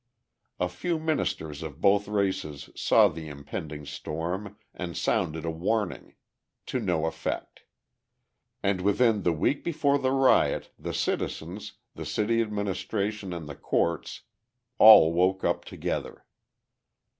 A few ministers of both races saw the impending storm and sounded a warning to no effect; and within the week before the riot the citizens, the city administration and the courts all woke up together.